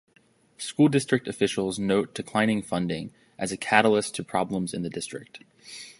School District officials note declining funding as a catalyst to problems in the district.